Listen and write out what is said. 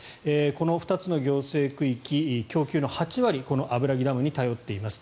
この２つの行政区域供給の８割がこの油木ダムに頼っています。